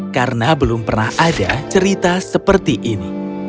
karena belum pernah ada cerita seperti ini